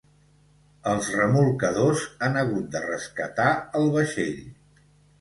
Els remolcadors han hagut de rescatar el vaixell.